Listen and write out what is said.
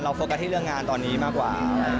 โฟกัสที่เรื่องงานตอนนี้มากกว่า